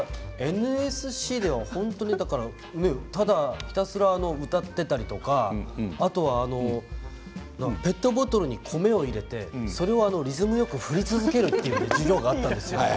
ＮＳＣでは本当に、ただひたすら歌っていたりとかあとはペットボトルに米を入れてそれをリズムよく振り続けるという授業があったんですよ。